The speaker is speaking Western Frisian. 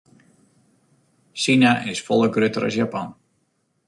Sina is folle grutter as Japan.